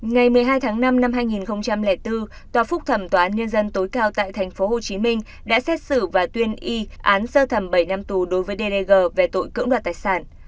ngày một mươi hai tháng năm năm hai nghìn bốn tòa phúc thẩm tòa án nhân dân tối cao tại tp hcm đã xét xử và tuyên y án sơ thẩm bảy năm tù đối với deg về tội cưỡng đoạt tài sản